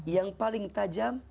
yang paling tajam